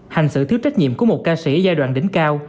hành sự thiếu trách nhiệm của một ca sĩ giai đoạn đỉnh cao